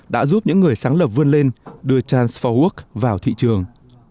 đã giúp những người sáng lập vươn lên đưa trans bốn work vào thị trường